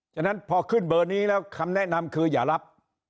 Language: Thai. ฉะนั้นพอขึ้นเบอร์นี้แล้วคำแนะนำคืออย่ารับ